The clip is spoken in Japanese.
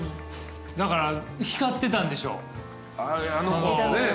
だから光ってたんでしょう。